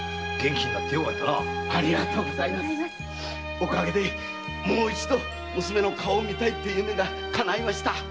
おかげでもう一度娘の顔が見たいという夢がかないました。